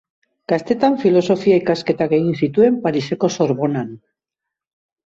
Gaztetan filosofia ikasketak egin zituen Pariseko Sorbonan.